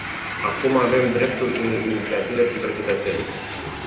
Acum avem dreptul unei inițiative pentru cetățeni.